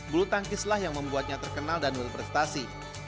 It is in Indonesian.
bulu tangkislah yang membuatnya terkenal dan berprestasi